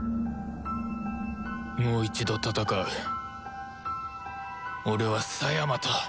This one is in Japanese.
もう一度戦う俺は狭山と